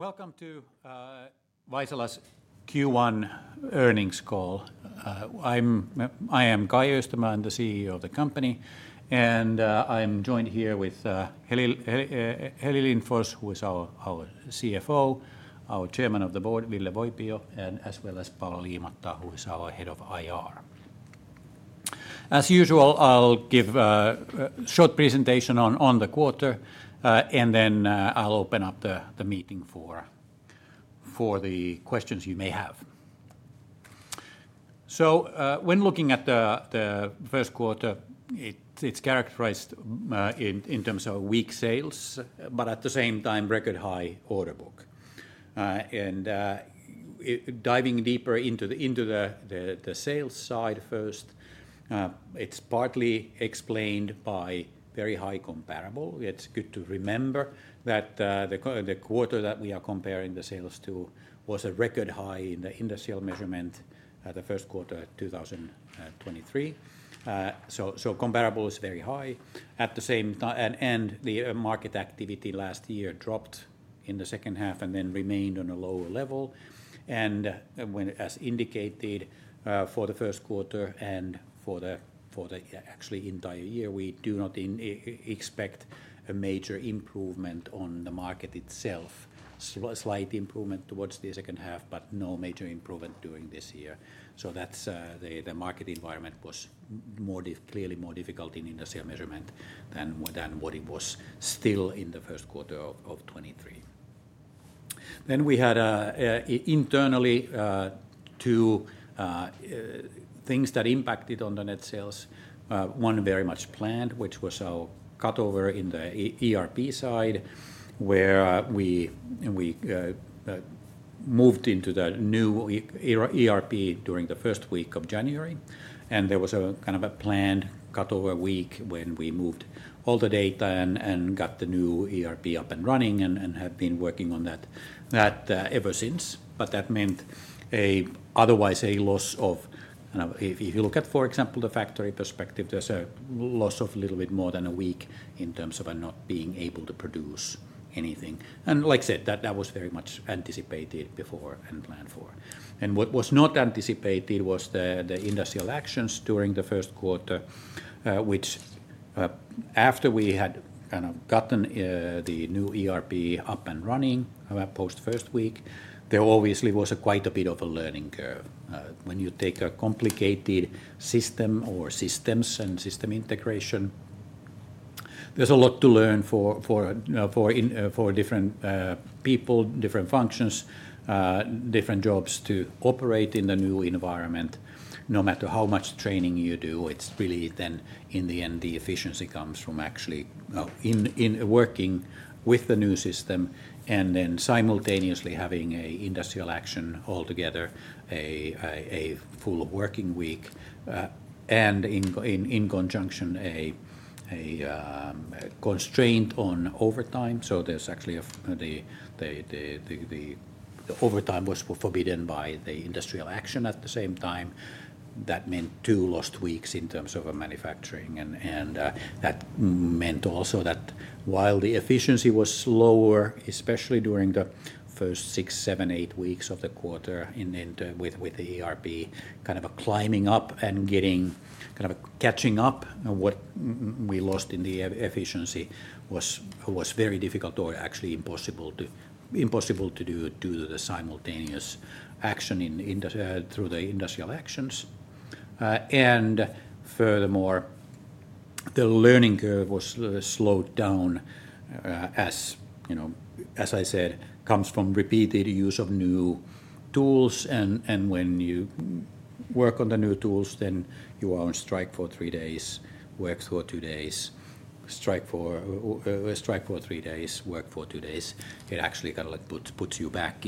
Welcome to Vaisala's Q1 earnings call. I am Kai Öistämö, the CEO of the company. I'm joined here with Heli Lindfors, who is our CFO, our Chairman of the Board, Ville Voipio, and as well as Paula Liimatta, who is our head of IR. As usual, I'll give a short presentation on the quarter, and then I'll open up the meeting for the questions you may have. When looking at the first quarter, it's characterized in terms of weak sales, but at the same time, record high order book. Diving deeper into the sales side first, it's partly explained by very high comparable. It's good to remember that the quarter that we are comparing the sales to was a record high in the industrial sales measurement the first quarter of 2023. Comparable is very high. At the same time, the market activity last year dropped in the second half and then remained on a lower level. As indicated for the first quarter and for the actually entire year, we do not expect a major improvement on the market itself. Slight improvement towards the second half, but no major improvement during this year. The market environment was clearly more difficult in industrial measurement than what it was still in the first quarter of 2023. We had internally two things that impacted on the net sales. One very much planned, which was our cutover in the ERP side, where we moved into the new ERP during the first week of January. There was a kind of a planned cutover week when we moved all the data and got the new ERP up and running and have been working on that ever since. But that meant otherwise a loss of, if you look at, for example, the factory perspective, there's a loss of a little bit more than a week in terms of not being able to produce anything. And like I said, that was very much anticipated before and planned for. And what was not anticipated was the industrial actions during the first quarter, which after we had kind of gotten the new ERP up and running post first week, there obviously was quite a bit of a learning curve. When you take a complicated system or systems and system integration, there's a lot to learn for different people, different functions, different jobs to operate in the new environment. No matter how much training you do, it's really then in the end the efficiency comes from actually working with the new system and then simultaneously having an industrial action altogether, a full working week, and in conjunction a constraint on overtime. So there's actually the overtime was forbidden by the industrial action at the same time. That meant 2 lost weeks in terms of manufacturing. And that meant also that while the efficiency was slower, especially during the first 6, 7, 8 weeks of the quarter with the ERP, kind of climbing up and getting kind of catching up what we lost in the efficiency was very difficult or actually impossible to do due to the simultaneous action through the industrial actions. And furthermore, the learning curve was slowed down as, as I said, comes from repeated use of new tools. And when you work on the new tools, then you are on strike for 3 days, work for 2 days, strike for 3 days, work for 2 days. It actually kind of puts you back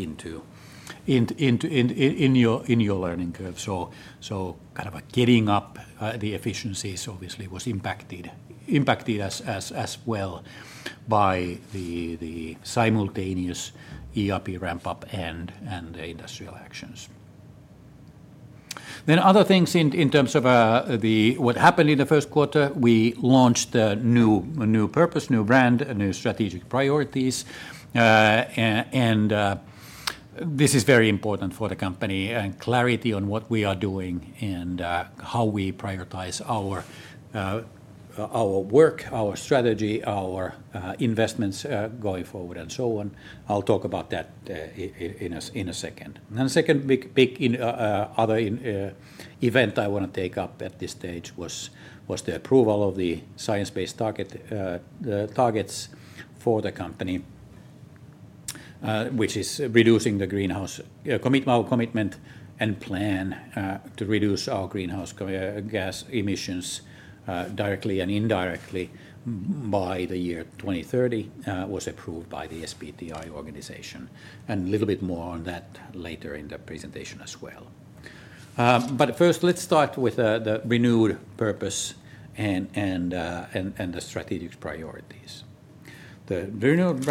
in your learning curve. So kind of getting up, the efficiencies obviously was impacted as well by the simultaneous ERP ramp-up and the industrial actions. Then other things in terms of what happened in the first quarter. We launched a new purpose, new brand, new strategic priorities. And this is very important for the company and clarity on what we are doing and how we prioritize our work, our strategy, our investments going forward and so on. I'll talk about that in a second. A second big other event I want to take up at this stage was the approval of the science-based targets for the company, which is reducing the greenhouse our commitment and plan to reduce our greenhouse gas emissions directly and indirectly by the year 2030 was approved by the SBTi organization. A little bit more on that later in the presentation as well. First, let's start with the renewed purpose and the strategic priorities. The renewed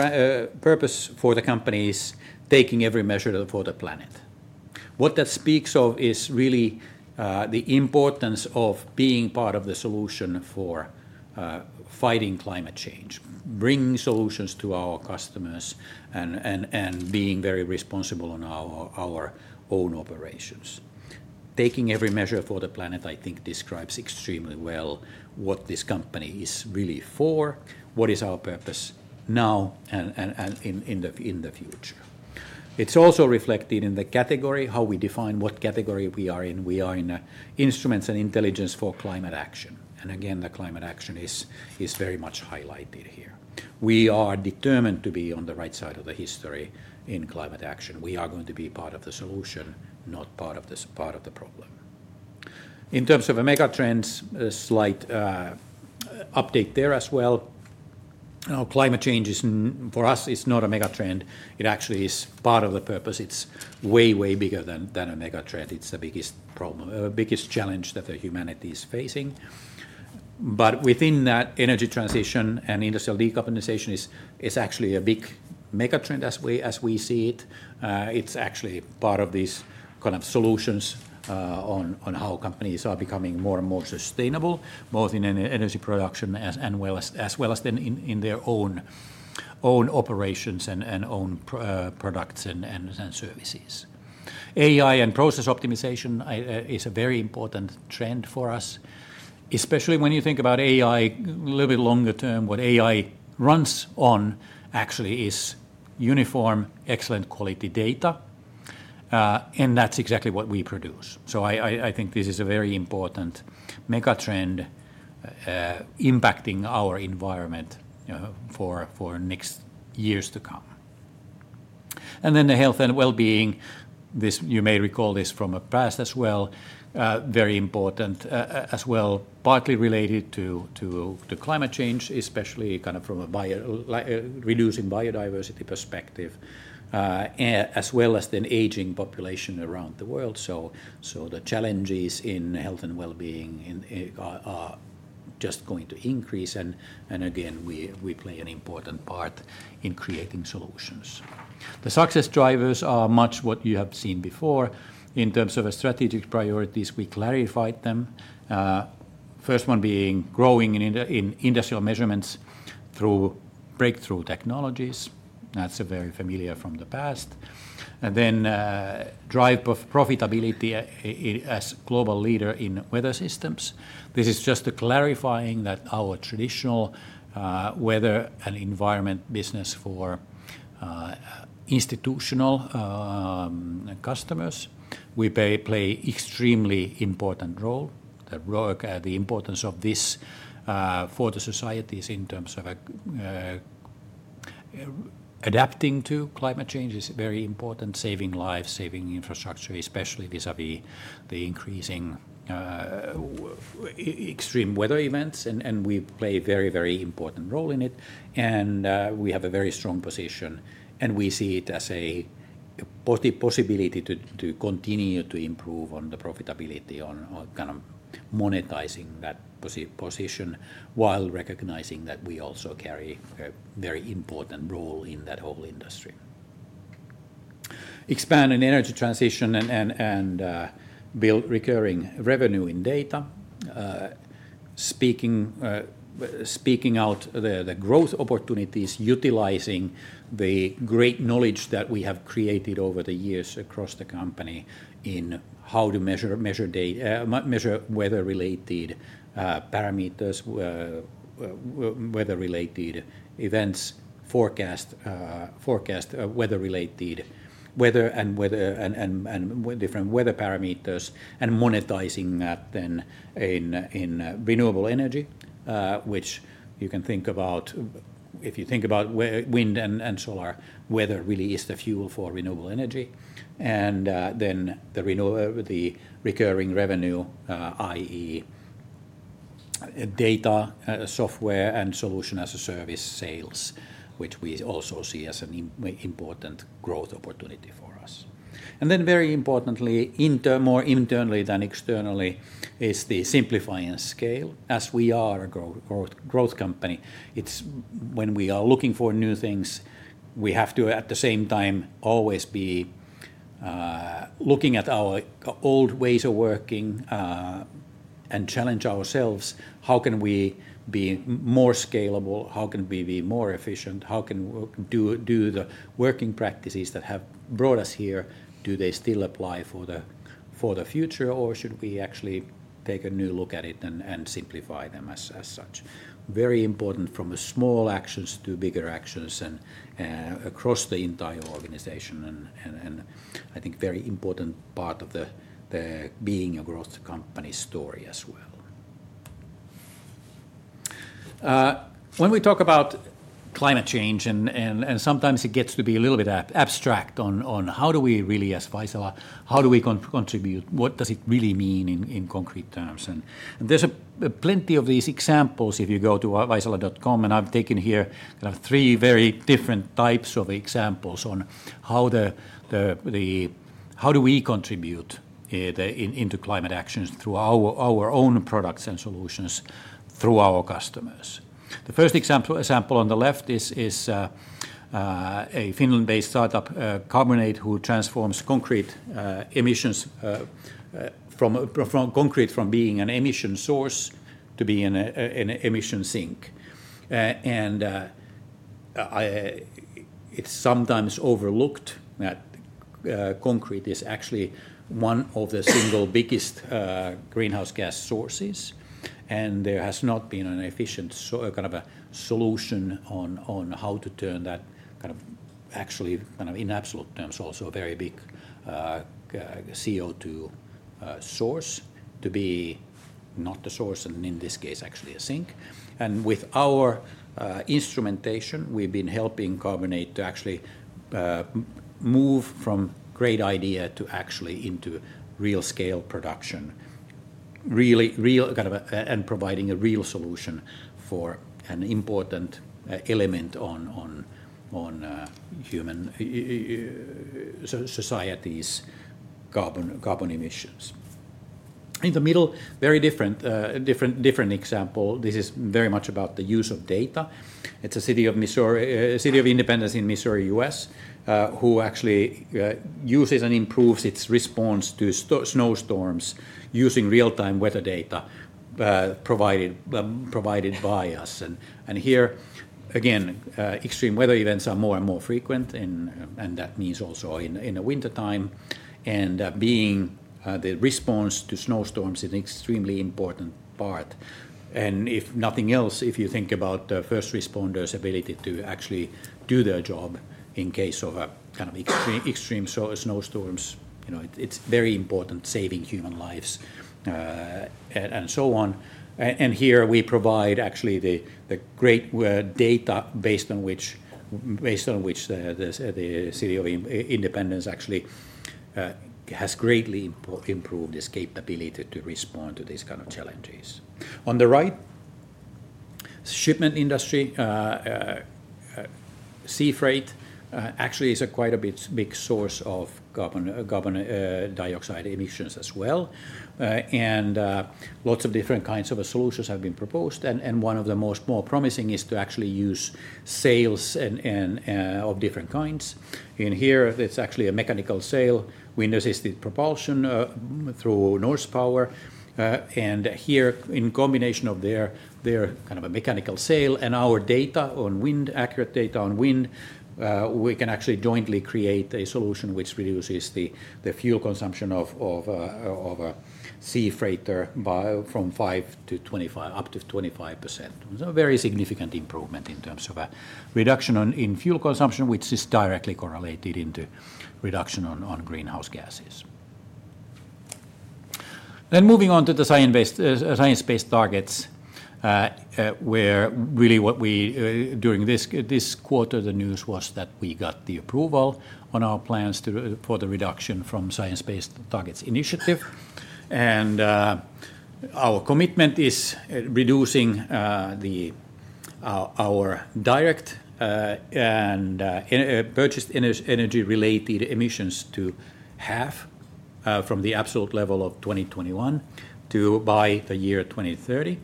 purpose for the company is taking every measure for the planet. What that speaks of is really the importance of being part of the solution for fighting climate change, bringing solutions to our customers, and being very responsible on our own operations. Taking every measure for the planet, I think, describes extremely well what this company is really for, what is our purpose now and in the future. It's also reflected in the category, how we define what category we are in. We are in instruments and intelligence for climate action. And again, the climate action is very much highlighted here. We are determined to be on the right side of the history in climate action. We are going to be part of the solution, not part of the problem. In terms of megatrends, slight update there as well. Climate change for us is not a megatrend. It actually is part of the purpose. It's way, way bigger than a megatrend. It's the biggest problem, the biggest challenge that humanity is facing. But within that, energy transition and industrial decarbonization is actually a big megatrend as we see it. It's actually part of these kind of solutions on how companies are becoming more and more sustainable, both in energy production as well as then in their own operations and own products and services. AI and process optimization is a very important trend for us, especially when you think about AI a little bit longer term. What AI runs on actually is uniform, excellent quality data. And that's exactly what we produce. So I think this is a very important megatrend impacting our environment for next years to come. And then the health and well-being, you may recall this from the past as well, very important as well, partly related to climate change, especially kind of from a reducing biodiversity perspective, as well as then aging population around the world. So the challenges in health and well-being are just going to increase. We play an important part in creating solutions. The success drivers are much what you have seen before. In terms of strategic priorities, we clarified them. First one being growing in industrial measurements through breakthrough technologies. That's very familiar from the past. And then drive of profitability as a global leader in weather systems. This is just clarifying that our traditional weather and environment business for institutional customers, we play an extremely important role. The importance of this for the societies in terms of adapting to climate change is very important, saving lives, saving infrastructure, especially vis-à-vis the increasing extreme weather events. And we play a very, very important role in it. And we have a very strong position. And we see it as a possibility to continue to improve on the profitability, on kind of monetizing that position while recognizing that we also carry a very important role in that whole industry. Expanding energy transition and build recurring revenue in data. Speaking out the growth opportunities, utilizing the great knowledge that we have created over the years across the company in how to measure weather-related parameters, weather-related events, forecast weather-related weather and different weather parameters, and monetizing that then in renewable energy, which you can think about if you think about wind and solar, weather really is the fuel for renewable energy. And then the recurring revenue, i.e., data, software, and solution as a service sales, which we also see as an important growth opportunity for us. And then very importantly, more internally than externally, is the simplifying scale. As we are a growth company, when we are looking for new things, we have to at the same time always be looking at our old ways of working and challenge ourselves. How can we be more scalable? How can we be more efficient? How can we do the working practices that have brought us here? Do they still apply for the future, or should we actually take a new look at it and simplify them as such? Very important from small actions to bigger actions and across the entire organization. And I think a very important part of being a growth company story as well. When we talk about climate change, and sometimes it gets to be a little bit abstract on how do we really, as Vaisala, how do we contribute? What does it really mean in concrete terms? And there's plenty of these examples if you go to Vaisala.com. And I've taken here kind of three very different types of examples on how do we contribute into climate actions through our own products and solutions through our customers. The first example on the left is a Finland-based startup, Carbonaide, who transforms concrete emissions from concrete from being an emission source to being an emission sink. And it's sometimes overlooked that concrete is actually one of the single biggest greenhouse gas sources. And there has not been an efficient kind of a solution on how to turn that kind of actually kind of in absolute terms also a very big CO2 source to be not the source and in this case actually a sink. With our instrumentation, we've been helping Carbonaide to actually move from great idea to actually into real-scale production, really kind of providing a real solution for an important element on human society's carbon emissions. In the middle, very different example. This is very much about the use of data. It's the City of Independence in Missouri, U.S., who actually uses and improves its response to snowstorms using real-time weather data provided by us. Here, again, extreme weather events are more and more frequent. That means also in the wintertime. Being the response to snowstorms is an extremely important part. If nothing else, if you think about the first responders' ability to actually do their job in case of kind of extreme snowstorms, it's very important saving human lives and so on. Here we provide actually the great data based on which the City of Independence actually has greatly improved its capability to respond to these kind of challenges. On the right, the shipping industry, sea freight, actually is quite a big source of carbon dioxide emissions as well. Lots of different kinds of solutions have been proposed. One of the most promising is to actually use sails of different kinds. Here, it's actually a mechanical sail, wind-assisted propulsion through Norsepower. Here in combination of their kind of a mechanical sail and our data on wind, accurate data on wind, we can actually jointly create a solution which reduces the fuel consumption of a sea freighter from 5% to up to 25%. It's a very significant improvement in terms of a reduction in fuel consumption, which is directly correlated into reduction on greenhouse gases. Then moving on to the science-based targets, where really what we during this quarter, the news was that we got the approval on our plans for the reduction from Science-Based Targets initiative. And our commitment is reducing our direct and purchased energy-related emissions to half from the absolute level of 2021 to by the year 2030.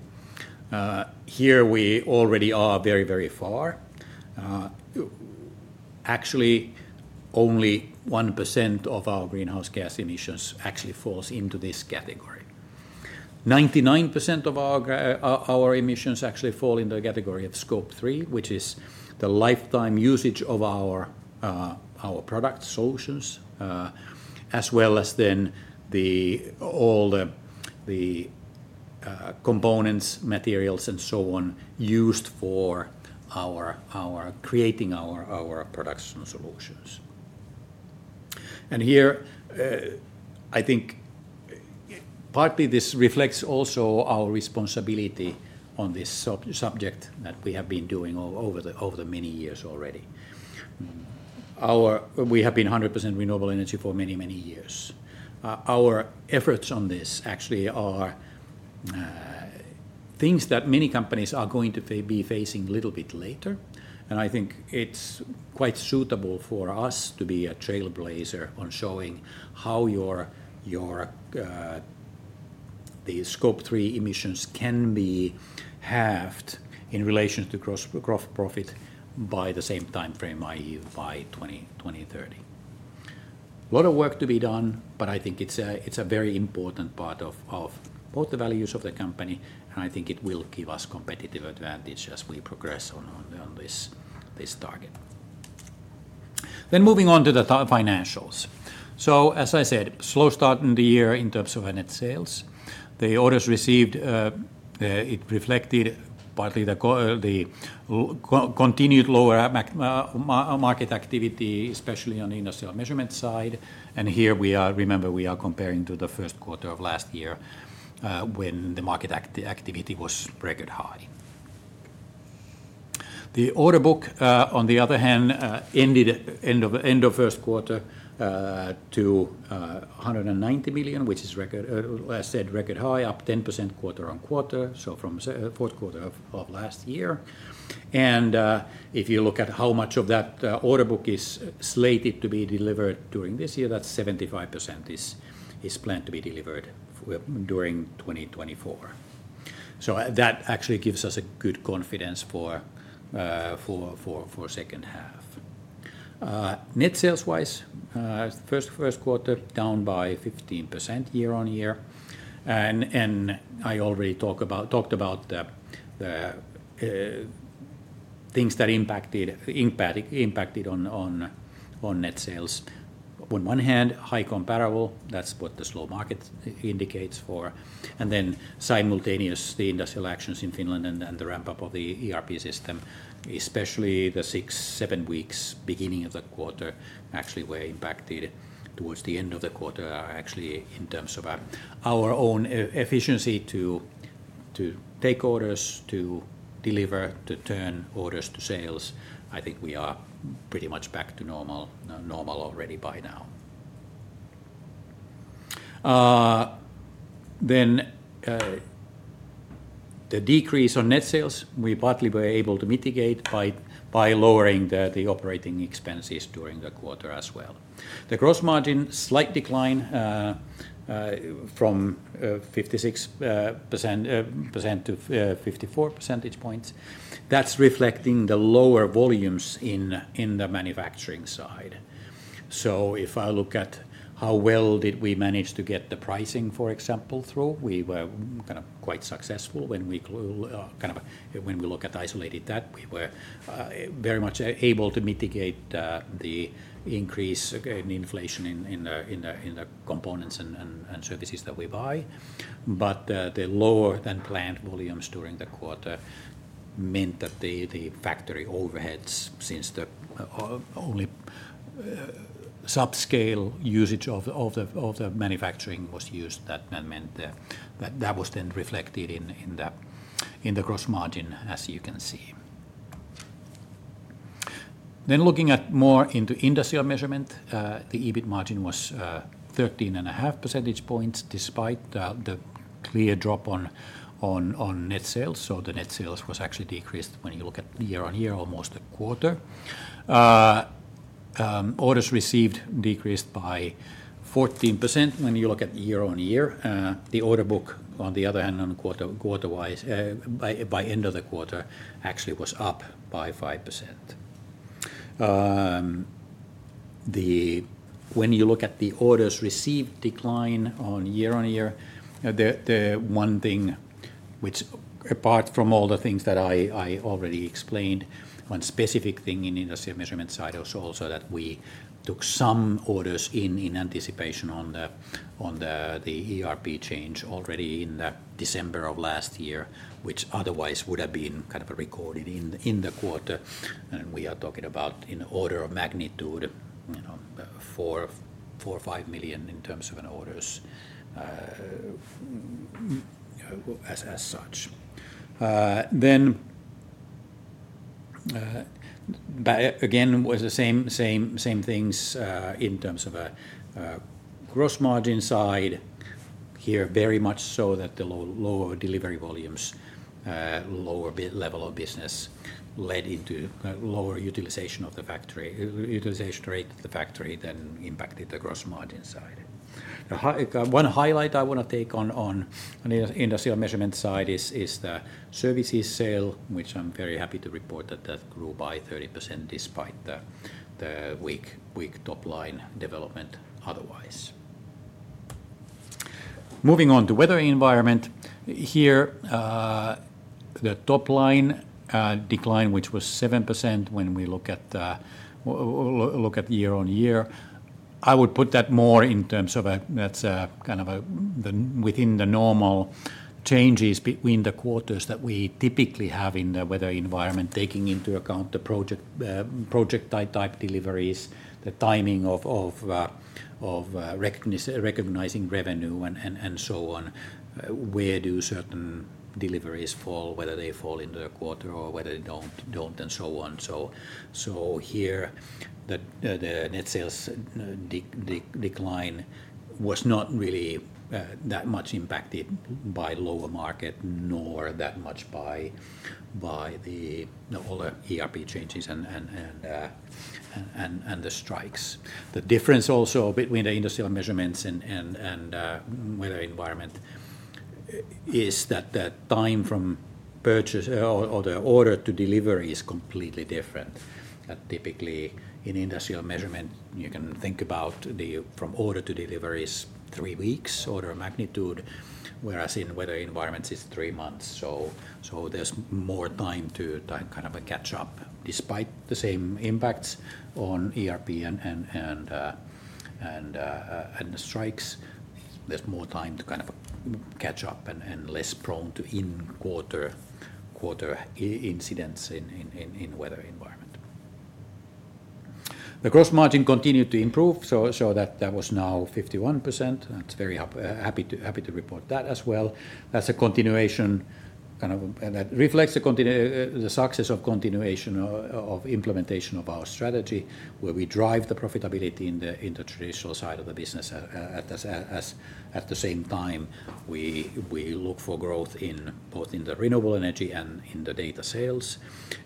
Here we already are very, very far. Actually, only 1% of our greenhouse gas emissions actually falls into this category. 99% of our emissions actually fall in the category of Scope 3, which is the lifetime usage of our products, solutions, as well as then all the components, materials, and so on used for creating our products and solutions. And here, I think partly this reflects also our responsibility on this subject that we have been doing over the many years already. We have been 100% renewable energy for many, many years. Our efforts on this actually are things that many companies are going to be facing a little bit later. I think it's quite suitable for us to be a trailblazer on showing how the Scope 3 emissions can be halved in relation to gross profit by the same time frame, i.e., by 2030. A lot of work to be done, but I think it's a very important part of both the values of the company. I think it will give us competitive advantage as we progress on this target. Moving on to the financials. As I said, slow start in the year in terms of net sales. The orders received, it reflected partly the continued lower market activity, especially on the industrial measurement side. And here we are, remember, we are comparing to the first quarter of last year when the market activity was record high. The order book, on the other hand, ended end of first quarter to 190 million, which is, as said, record high, up 10% quarter-on-quarter. So from the fourth quarter of last year. And if you look at how much of that order book is slated to be delivered during this year, that's 75% is planned to be delivered during 2024. So that actually gives us a good confidence for second half. Net sales-wise, first quarter down by 15% year-on-year. And I already talked about the things that impacted on net sales. On one hand, high comparable. That's what the slow market indicates for. And then simultaneously, industrial actions in Finland and the ramp-up of the ERP system, especially the 6-7 weeks beginning of the quarter, actually were impacted. Towards the end of the quarter, actually in terms of our own efficiency to take orders, to deliver, to turn orders to sales, I think we are pretty much back to normal already by now. Then the decrease on net sales, we partly were able to mitigate by lowering the operating expenses during the quarter as well. The gross margin, slight decline from 56% to 54 percentage points. That's reflecting the lower volumes in the manufacturing side. So if I look at how well did we manage to get the pricing, for example, through? We were kind of quite successful when we kind of when we look at isolated that, we were very much able to mitigate the increase in inflation in the components and services that we buy. But the lower than planned volumes during the quarter meant that the factory overheads, since the only subscale usage of the manufacturing was used, that meant that was then reflected in the gross margin, as you can see. Then looking more into industrial measurement, the EBIT margin was 13.5 percentage points despite the clear drop on net sales. So the net sales was actually decreased when you look at year-on-year, almost 25%. Orders received decreased by 14% when you look at year-on-year. The order book, on the other hand, quarter-wise, by end of the quarter, actually was up by 5%. When you look at the orders received decline year-on-year, the one thing which, apart from all the things that I already explained, one specific thing in the industrial measurement side was also that we took some orders in anticipation on the ERP change already in December of last year, which otherwise would have been kind of recorded in the quarter. We are talking about in order of magnitude, you know, 4 million or 5 million in terms of orders as such. Again, it was the same things in terms of a gross margin side. Here, very much so that the lower delivery volumes, lower level of business led into lower utilization of the factory, utilization rate of the factory then impacted the gross margin side. One highlight I want to take on the industrial measurement side is the services sale, which I'm very happy to report that that grew by 30% despite the weak topline development otherwise. Moving on to weather environment. Here, the topline decline, which was 7% when we look at year-on-year, I would put that more in terms of that's kind of within the normal changes between the quarters that we typically have in the weather environment, taking into account the project-type deliveries, the timing of recognizing revenue, and so on, where do certain deliveries fall, whether they fall into the quarter or whether they don't and so on. So here, the net sales decline was not really that much impacted by lower market nor that much by the ERP changes and the strikes. The difference also between the industrial measurements and weather environment is that the time from purchase or the order to delivery is completely different. That typically in industrial measurement, you can think about the from order to delivery is 3 weeks order of magnitude, whereas in weather environments, it's 3 months. So there's more time to kind of catch up. Despite the same impacts on ERP and the strikes, there's more time to kind of catch up and less prone to in-quarter incidents in weather environment. The gross margin continued to improve. So that was now 51%. I'm very happy to report that as well. That's a continuation kind of that reflects the success of continuation of implementation of our strategy, where we drive the profitability in the traditional side of the business. At the same time, we look for growth both in the renewable energy and in the data sales.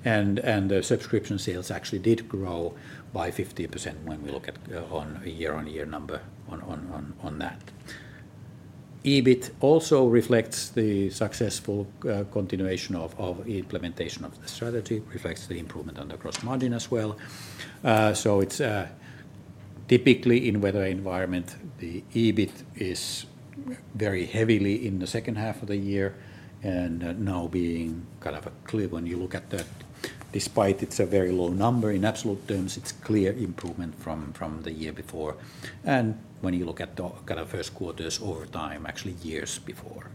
The subscription sales actually did grow by 50% when we look at on a year-on-year number on that. EBIT also reflects the successful continuation of implementation of the strategy, reflects the improvement on the gross margin as well. So it's typically in weather environment, the EBIT is very heavily in the second half of the year. Now being kind of a cliff when you look at that, despite it's a very low number in absolute terms, it's clear improvement from the year before. When you look at the kind of first quarters over time, actually years before.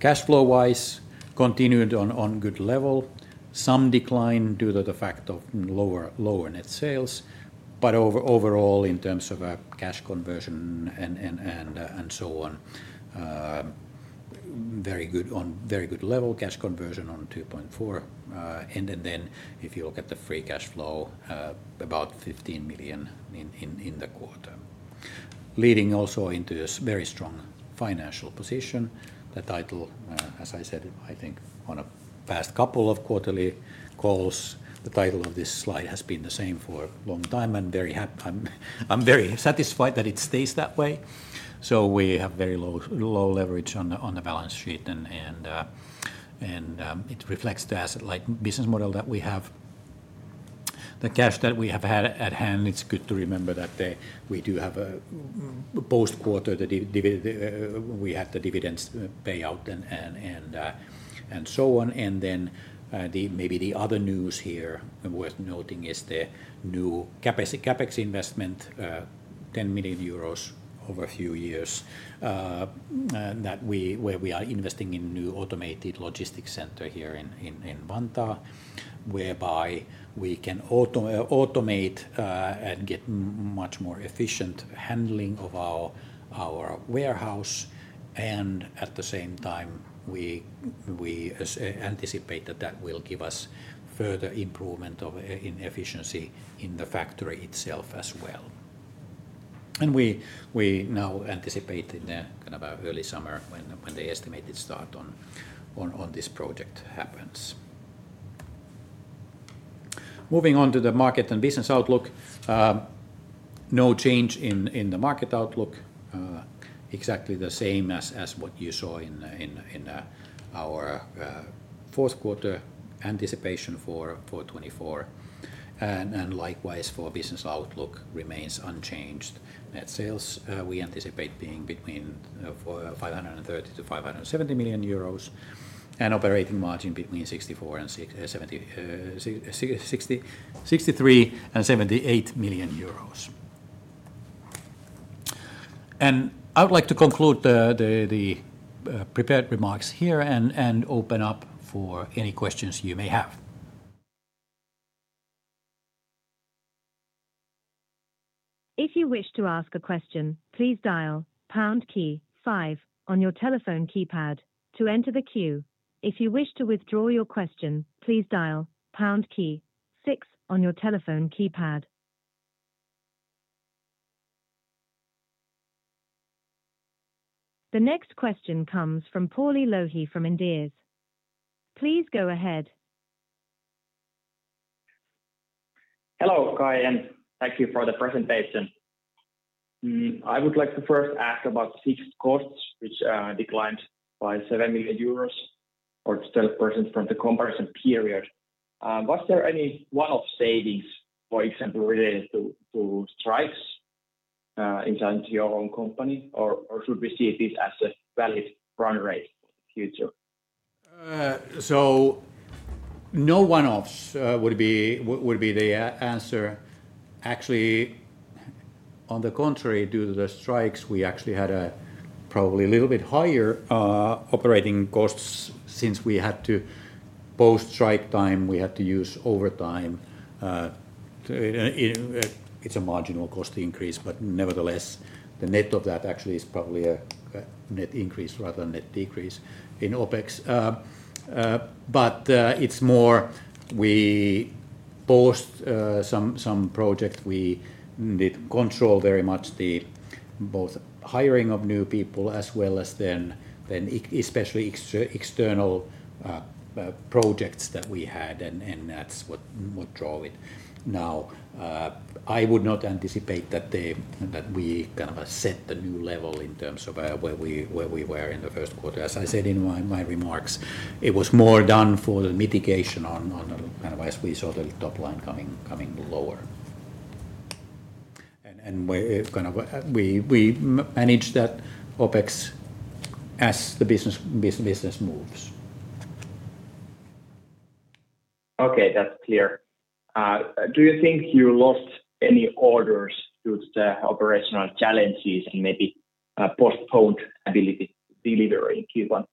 Cash flow-wise, continued on good level. Some decline due to the fact of lower net sales. But overall, in terms of cash conversion and so on, very good on a very good level, cash conversion at 2.4. And then if you look at the free cash flow, about 15 million in the quarter. Leading also into a very strong financial position. The title, as I said, I think on a past couple of quarterly calls, the title of this slide has been the same for a long time. And I'm very satisfied that it stays that way. So we have very low leverage on the balance sheet. And it reflects the business model that we have. The cash that we have had at hand, it's good to remember that we do have a post-quarter; we had the dividends payout and so on. And then maybe the other news here worth noting is the new CapEx investment, 10 million euros over a few years, where we are investing in a new automated logistics center here in Vantaa, whereby we can automate and get much more efficient handling of our warehouse. And at the same time, we anticipate that that will give us further improvement in efficiency in the factory itself as well. And we now anticipate in the kind of early summer when the estimated start on this project happens. Moving on to the market and business outlook. No change in the market outlook. Exactly the same as what you saw in our fourth quarter anticipation for 2024. And likewise, for business outlook, remains unchanged. Net sales, we anticipate being between 530 million-570 million euros and operating margin between 63 million and 78 million euros. And I would like to conclude the prepared remarks here and open up for any questions you may have. If you wish to ask a question, please dial pound key 5 on your telephone keypad to enter the queue. If you wish to withdraw your question, please dial pound key 6 on your telephone keypad. The next question comes from Pauli Lohi from Inderes. Please go ahead. Hello, Kai. Thank you for the presentation. I would like to first ask about fixed costs, which declined by 7 million euros or 12% from the comparison period. Was there any one-off savings, for example, related to strikes inside your own company, or should we see this as a valid run rate for the future? So no one-offs would be the answer. Actually, on the contrary, due to the strikes, we actually had probably a little bit higher operating costs since we had to, post-strike time, we had to use overtime. It's a marginal cost increase, but nevertheless, the net of that actually is probably a net increase rather than net decrease in OPEX. But it's more we postponed some projects, we did control very much both hiring of new people as well as then especially external projects that we had, and that's what drove it. Now, I would not anticipate that we kind of set the new level in terms of where we were in the first quarter. As I said in my remarks, it was more done for the mitigation on kind of as we saw the topline coming lower. And kind of we manage that OPEX as the business moves. Okay, that's clear. Do you think you lost any orders due to the operational challenges and maybe postponed delivery in Q1?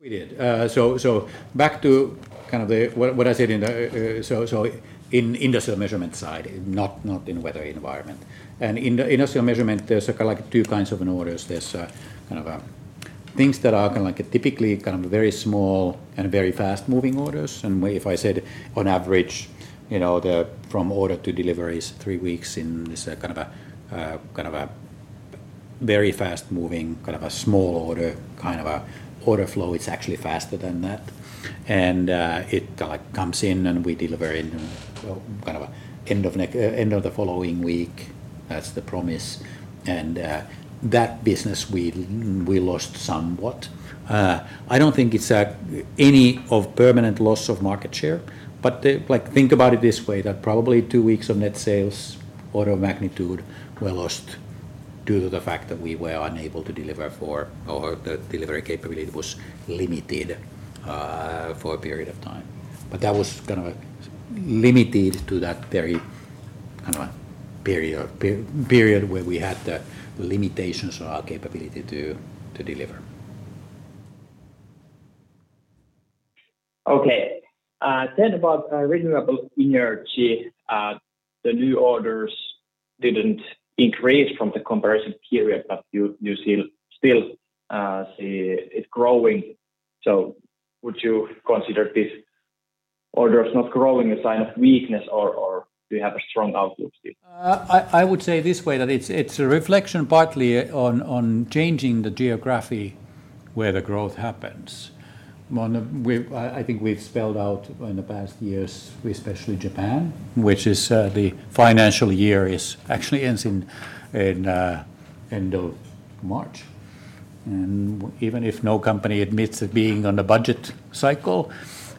We did. So back to kind of what I said in the so in industrial measurement side, not in weather environment. And in industrial measurement, there's kind of like two kinds of orders. There's kind of things that are kind of like typically kind of very small and very fast-moving orders. And if I said on average, you know, from order to delivery is three weeks in this kind of a kind of a very fast-moving, kind of a small order, kind of a order flow, it's actually faster than that. And it kind of like comes in and we deliver in kind of end of the following week. That's the promise. And that business, we lost somewhat. I don't think it's any of permanent loss of market share. But think about it this way, that probably two weeks of net sales order of magnitude were lost due to the fact that we were unable to deliver for or the delivery capability was limited for a period of time. But that was kind of limited to that very kind of a period where we had the limitations on our capability to deliver. Okay. Then about renewable energy, the new orders didn't increase from the comparison period, but you still see it growing. So would you consider these orders not growing a sign of weakness, or do you have a strong outlook still? I would say this way, that it's a reflection partly on changing the geography where the growth happens. I think we've spelled out in the past years, especially Japan, which is the financial year actually ends in end of March. Even if no company admits it being on the budget cycle,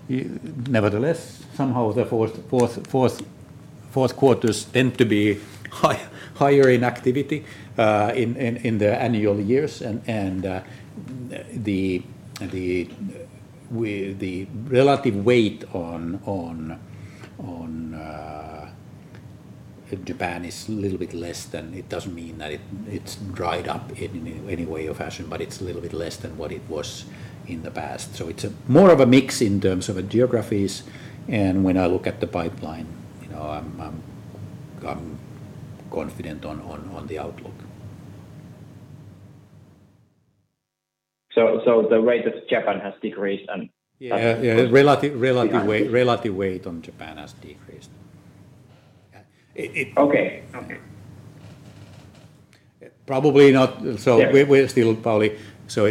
nevertheless, somehow the fourth quarters tend to be higher in activity in the annual years. The relative weight on Japan is a little bit less than it doesn't mean that it's dried up in any way or fashion, but it's a little bit less than what it was in the past. It's more of a mix in terms of geographies. When I look at the pipeline, I'm confident on the outlook. The weight of Japan has decreased, and that's a good thing. Yeah, relative weight on Japan has decreased. Okay. Probably not. We're still, Pauli, so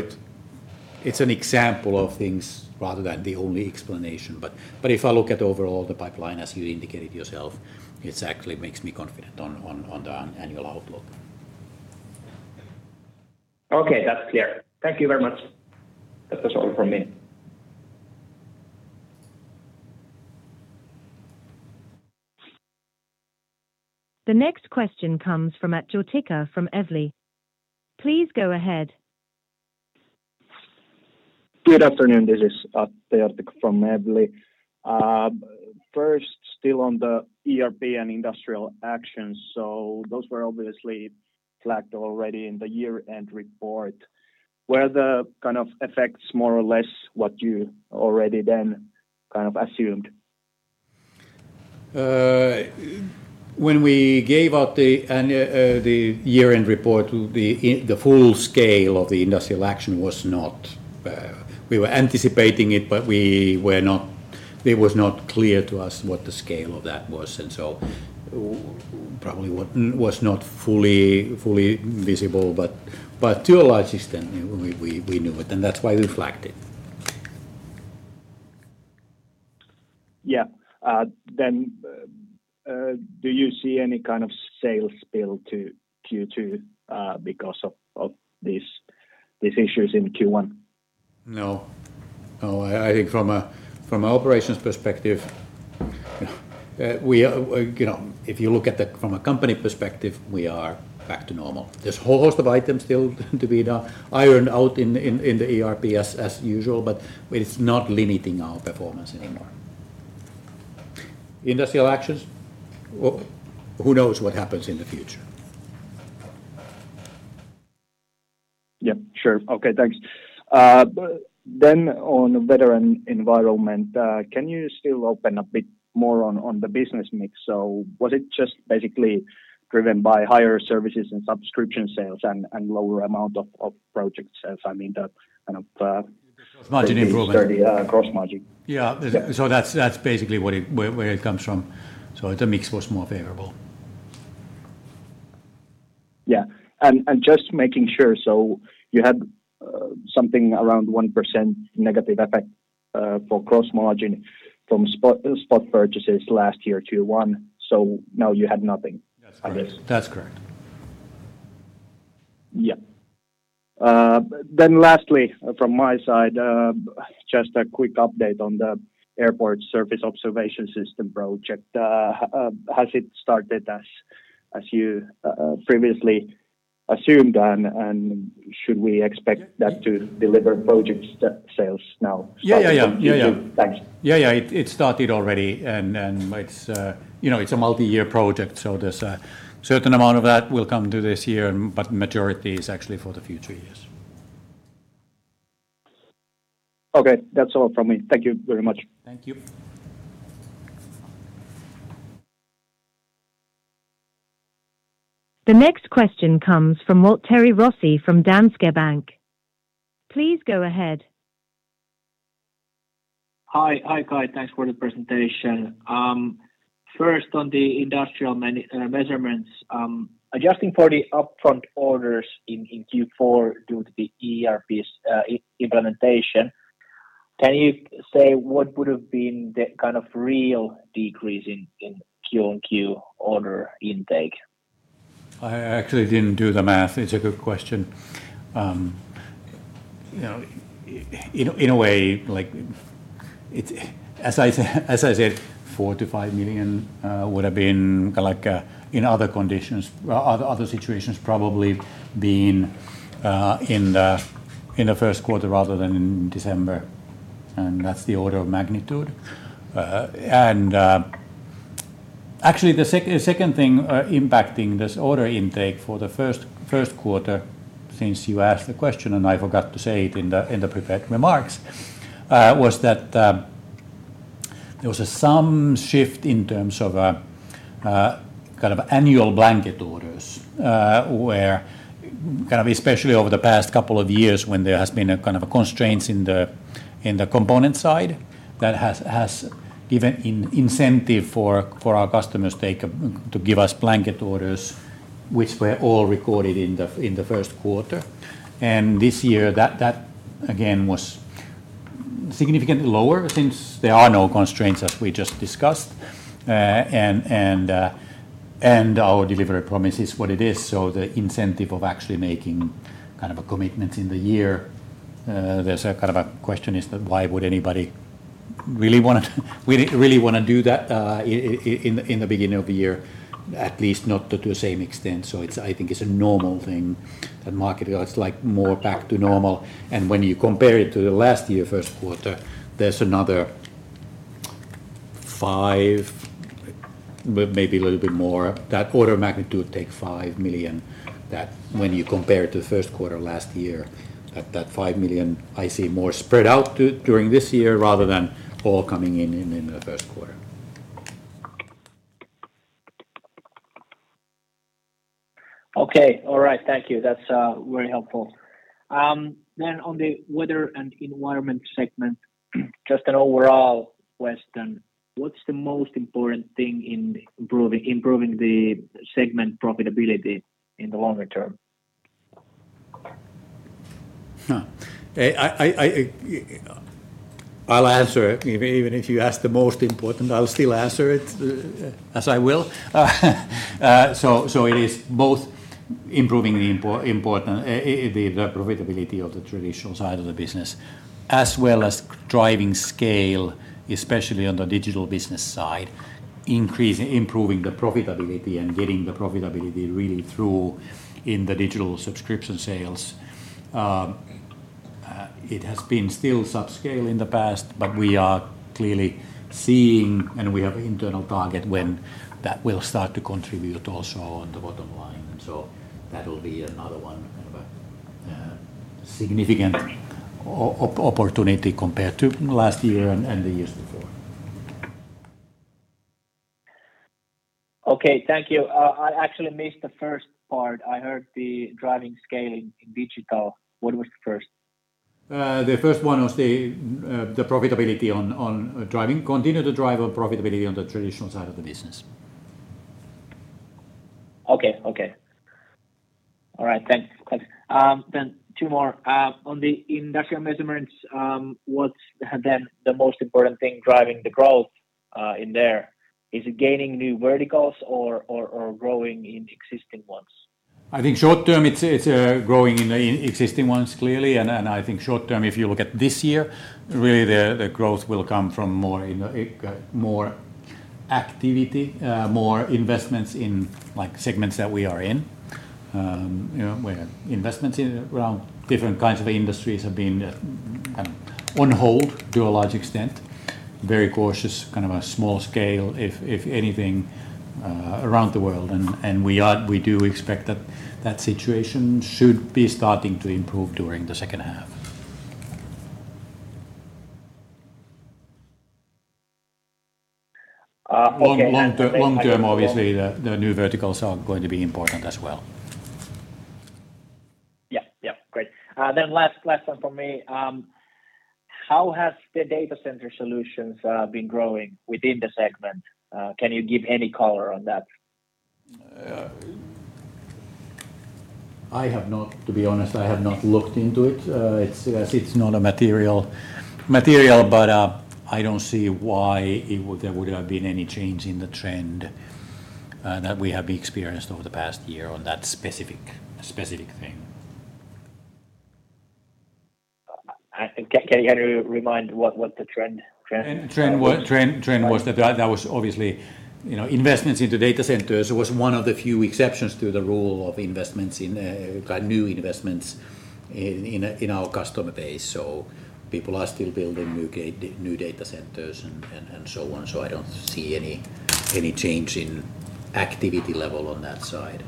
it's an example of things rather than the only explanation. If I look at overall the pipeline, as you indicated yourself, it actually makes me confident on the annual outlook. Okay, that's clear. Thank you very much. That's all from me. The next question comes from Atte Jortikka from Evli. Please go ahead. Good afternoon. This is Atte Jortikka from Evli. First, still on the ERP and industrial actions. So those were obviously flagged already in the year-end report. Were the kind of effects more or less what you already then kind of assumed? When we gave out the year-end report, the full scale of the industrial action was not. We were anticipating it, but it was not clear to us what the scale of that was. And so probably was not fully visible. But to a large extent, we knew it. And that's why we flagged it. Yeah. Then do you see any kind of sales spill to Q2 because of these issues in Q1? No, I think from an operations perspective, if you look at it from a company perspective, we are back to normal. There's a whole host of items still to be done. We've ironed out in the ERP as usual, but it's not limiting our performance anymore. Industrial actions, who knows what happens in the future? Yeah, sure. Okay, thanks. Then on the weather environment, can you still open a bit more on the business mix? So was it just basically driven by higher services and subscription sales and lower amount of project sales? I mean, the kind of gross margin improvement. Gross margin. Yeah. So that's basically where it comes from. So the mix was more favorable. Yeah. Just making sure, so you had something around 1% negative effect for gross margin from spot purchases last year Q1. So now you had nothing of it. That's correct. Yeah. Then lastly, from my side, just a quick update on the airport surface observation system project. Has it started as you previously assumed, and should we expect that to deliver project sales now? Yeah, yeah, yeah, yeah, yeah. Thanks. Yeah, yeah, it started already. And it's a multi-year project. So there's a certain amount of that will come to this year, but the majority is actually for the future years. Okay, that's all from me. Thank you very much. Thank you. The next question comes from Waltteri Rossi from Danske Bank. Please go ahead. Hi, Kai. Thanks for the presentation. First, on the industrial measurements, adjusting for the upfront orders in Q4 due to the ERP implementation, can you say what would have been the kind of real decrease in Q1Q order intake? I actually didn't do the math. It's a good question. In a way, as I said, 4 million-5 million would have been in other conditions, other situations probably being in the first quarter rather than in December. That's the order of magnitude. Actually, the second thing impacting this order intake for the first quarter since you asked the question, and I forgot to say it in the prepared remarks, was that there was some shift in terms of kind of annual blanket orders where kind of especially over the past couple of years when there has been kind of constraints in the component side that has given incentive for our customers to give us blanket orders, which were all recorded in the first quarter. This year, that again was significantly lower since there are no constraints, as we just discussed. Our delivery promise is what it is. So the incentive of actually making kind of a commitment in the year, there's kind of a question: is that why would anybody really want to do that in the beginning of the year? At least not to the same extent. So I think it's a normal thing that the market is more back to normal. And when you compare it to the last year first quarter, there's another five, maybe a little bit more, that order magnitude: take 5 million that when you compare it to the first quarter last year, that 5 million I see more spread out during this year rather than all coming in in the first quarter. Okay. All right. Thank you. That's very helpful. Then on the weather and environment segment, just an overall question. What's the most important thing in improving the segment profitability in the longer term? I'll answer. Even if you ask the most important, I'll still answer it as I will. So it is both improving the profitability of the traditional side of the business as well as driving scale, especially on the digital business side, improving the profitability and getting the profitability really through in the digital subscription sales. It has been still subscale in the past, but we are clearly seeing and we have an internal target when that will start to contribute also on the bottom line. And so that will be another one kind of a significant opportunity compared to last year and the years before. Okay, thank you. I actually missed the first part. I heard the driving scale in digital. What was the first? The first one was the profitability on driving, continue to drive on profitability on the traditional side of the business. Okay, okay. All right. Thanks. Then two more. On the industrial measurements, what's then the most important thing driving the growth in there? Is it gaining new verticals or growing in existing ones? I think short term, it's growing in existing ones, clearly. I think short term, if you look at this year, really the growth will come from more activity, more investments in segments that we are in, where investments around different kinds of industries have been kind of on hold to a large extent, very cautious, kind of a small scale, if anything, around the world. We do expect that that situation should be starting to improve during the second half. Long term, obviously, the new verticals are going to be important as well. Yeah, yeah. Great. Then last one from me. How have the data center solutions been growing within the segment? Can you give any color on that? To be honest, I have not looked into it. It's not a material, but I don't see why there would have been any change in the trend that we have experienced over the past year on that specific thing. Can you kind of remind what the trend was? Trend was that that was obviously investments into data centers was one of the few exceptions to the rule of investments in new investments in our customer base. So people are still building new data centers and so on. So I don't see any change in activity level on that side.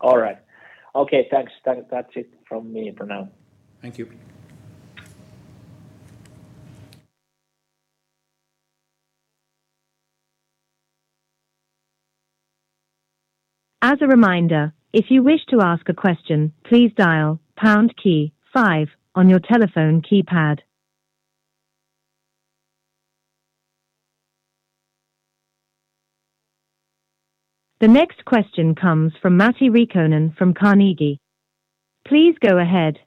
All right. Okay, thanks. That's it from me for now. Thank you. As a reminder, if you wish to ask a question, please dial pound key 5 on your telephone keypad. The next question comes from Matti Riikonen from Carnegie. Please go ahead.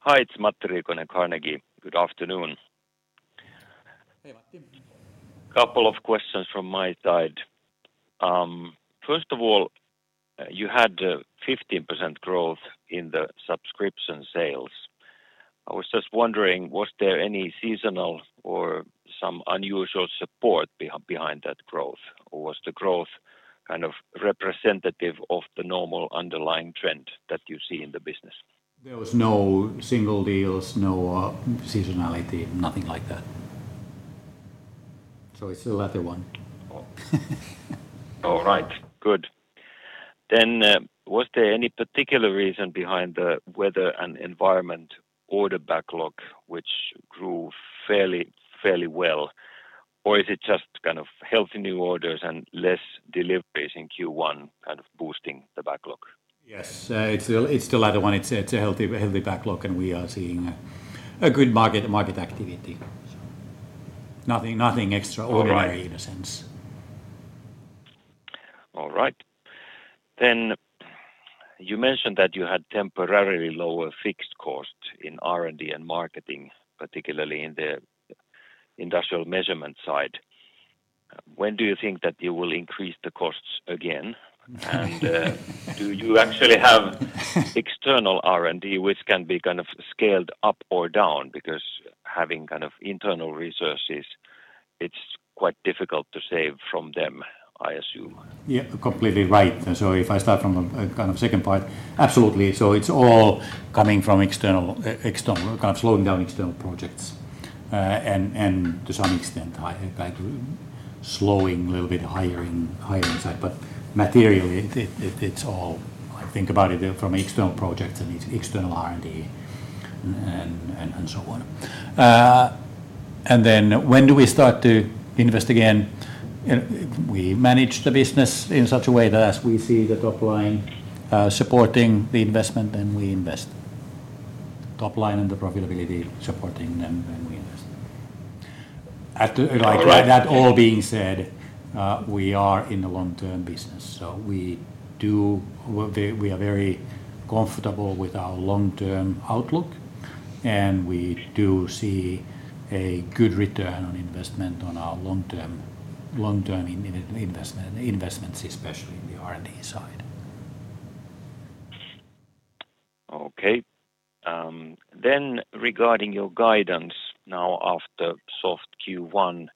Hi, it's Matti Riikonen, Carnegie. Good afternoon. Hey, Matti. Couple of questions from my side. First of all, you had 15% growth in the subscription sales. I was just wondering, was there any seasonal or some unusual support behind that growth, or was the growth kind of representative of the normal underlying trend that you see in the business? There was no single deals, no seasonality, nothing like that. So it's the latter one. All right. Good. Then was there any particular reason behind the weather and environment order backlog, which grew fairly well, or is it just kind of healthy new orders and less deliveries in Q1 kind of boosting the backlog? Yes, it's the latter one. It's a healthy backlog, and we are seeing a good market activity. Nothing extraordinary in a sense. All right. Then you mentioned that you had temporarily lower fixed costs in R&D and marketing, particularly in the industrial measurement side. When do you think that you will increase the costs again? And do you actually have external R&D, which can be kind of scaled up or down because having kind of internal resources, it's quite difficult to save from them, I assume? Yeah, completely right. And so if I start from a kind of second part, absolutely. So it's all coming from external, kind of slowing down external projects and to some extent slowing a little bit hiring side. But materially, it's all, I think about it from external projects and external R&D and so on. And then when do we start to invest again? We manage the business in such a way that as we see the top line supporting the investment, then we invest. Top line and the profitability supporting them, then we invest. That all being said, we are in the long-term business. So we are very comfortable with our long-term outlook, and we do see a good return on investment on our long-term investments, especially in the R&D side. Okay. Then regarding your guidance now after soft Q1,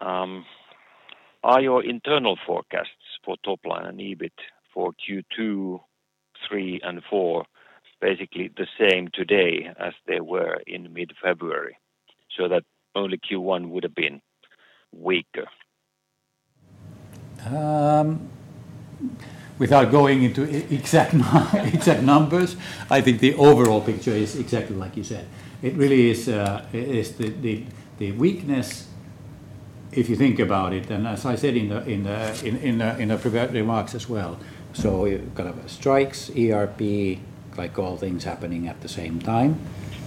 are your internal forecasts for top line and EBIT for Q2, Q3, and Q4 basically the same today as they were in mid-February so that only Q1 would have been weaker? Without going into exact numbers, I think the overall picture is exactly like you said. It really is the weakness, if you think about it, and as I said in the prepared remarks as well. So kind of strikes, ERP, all things happening at the same time.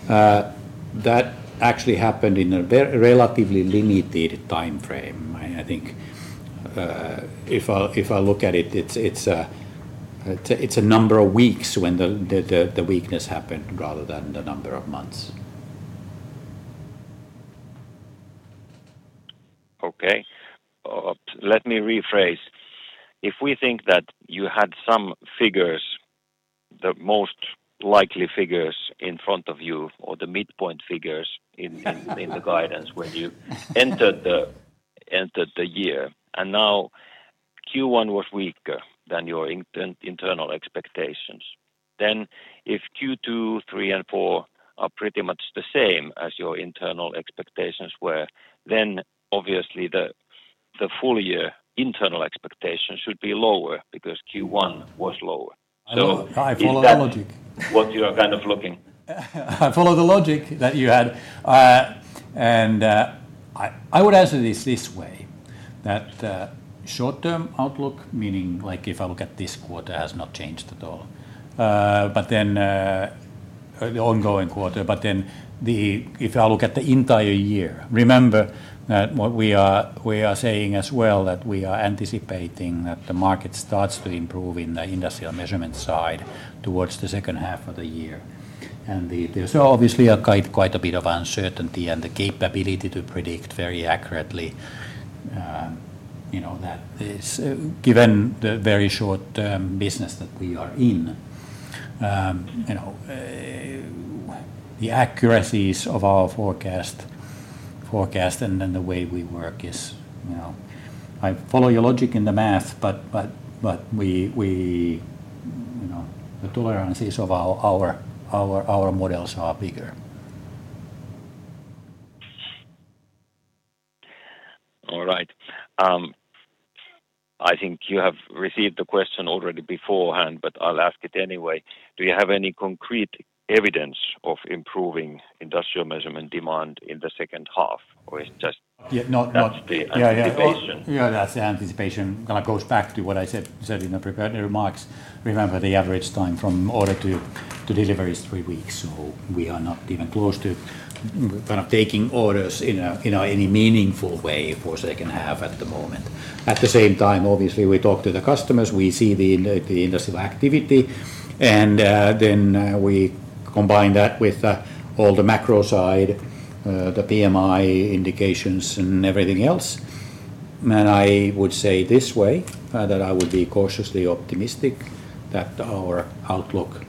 That actually happened in a relatively limited time frame. I think if I look at it, it's a number of weeks when the weakness happened rather than the number of months. Okay. Let me rephrase. If we think that you had some figures, the most likely figures in front of you or the midpoint figures in the guidance when you entered the year, and now Q1 was weaker than your internal expectations, then if Q2, Q3, and Q4 are pretty much the same as your internal expectations were, then obviously, the full year internal expectations should be lower because Q1 was lower. So I follow the logic. What you are kind of looking. I follow the logic that you had. I would answer this way, that short-term outlook, meaning if I look at this quarter, has not changed at all, but then the ongoing quarter, but then if I look at the entire year, remember that what we are saying as well, that we are anticipating that the market starts to improve in the industrial measurement side towards the second half of the year. And there's obviously quite a bit of uncertainty and the capability to predict very accurately that given the very short-term business that we are in, the accuracies of our forecast and then the way we work is I follow your logic in the math, but the tolerances of our models are bigger. All right. I think you have received the question already beforehand, but I'll ask it anyway. Do you have any concrete evidence of improving industrial measurement demand in the second half, or is it just anticipation? Yeah, that's anticipation. Kind of goes back to what I said in the prepared remarks. Remember, the average time from order to delivery is three weeks. So we are not even close to kind of taking orders in any meaningful way for second half at the moment. At the same time, obviously, we talk to the customers. We see the industrial activity. And then we combine that with all the macro side, the PMI indications, and everything else. And I would say this way, that I would be cautiously optimistic that our outlook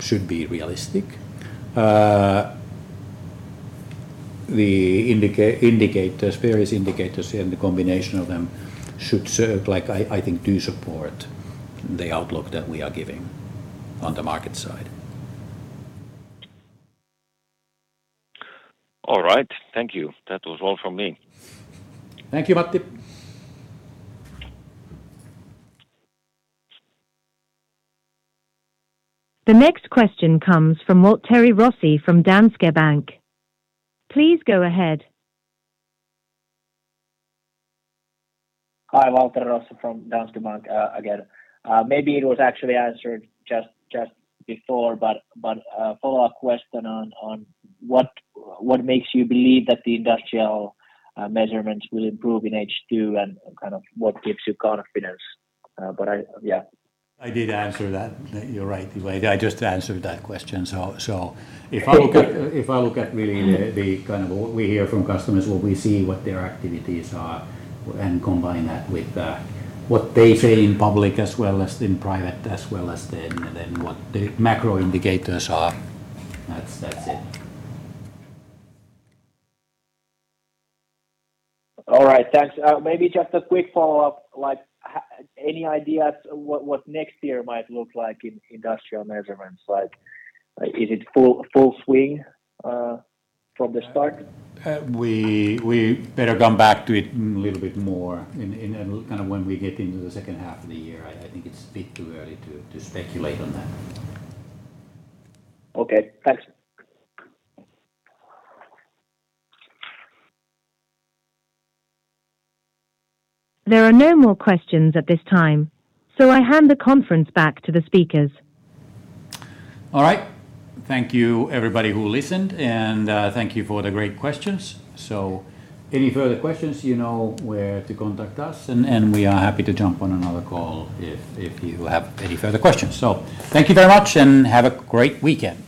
should be realistic. The indicators, various indicators, and the combination of them should, I think, do support the outlook that we are giving on the market side. All right. Thank you. That was all from me. Thank you, Matti. The next question comes from Waltteri Rossi from Danske Bank. Please go ahead. Hi, Waltteri Rossi from Danske Bank again. Maybe it was actually answered just before, but follow-up question on what makes you believe that the industrial measurements will improve in H2 and kind of what gives you confidence, but yeah. I did answer that. You're right. I just answered that question. So if I look at really the kind of what we hear from customers, what we see, what their activities are, and combine that with what they say in public as well as in private as well as then what the macro indicators are, that's it. All right. Thanks. Maybe just a quick follow-up. Any ideas what next year might look like in industrial measurements? Is it full swing from the start? We better come back to it a little bit more kind of when we get into the second half of the year. I think it's a bit too early to speculate on that. Okay. Thanks. There are no more questions at this time, so I hand the conference back to the speakers. All right. Thank you, everybody who listened, and thank you for the great questions. So any further questions, you know where to contact us, and we are happy to jump on another call if you have any further questions. So thank you very much and have a great weekend.